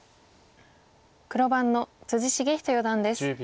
黒番の篤仁四段です。